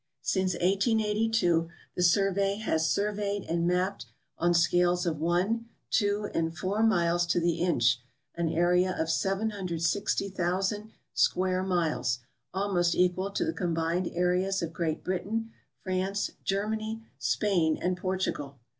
Since 1882 the Survey has surveyed and mapped on scales of one, two, and four miles to the inch an area of 760,000 square miles, almost equal to the combined areas of Great Britain, France, Germany, Spain, and Portugal.